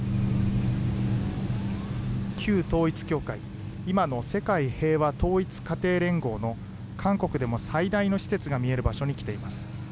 旧統一教会今の世界平和統一家庭連合の韓国でも最大の施設が見える場所に来ています。